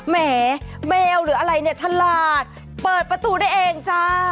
แหมแมวหรืออะไรเนี่ยฉลาดเปิดประตูได้เองจ้า